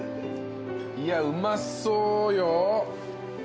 いやうまそうよ。